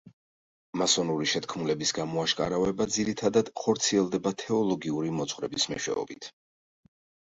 მასონური შეთქმულების გამოაშკარავება ძირითადად ხორციელდება თეოლოგიური მოძღვრების მეშვეობით.